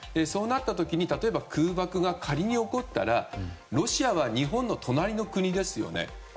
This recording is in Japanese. そうなった時に例えば空爆が仮に起こったらロシアは日本の隣の国ですよね。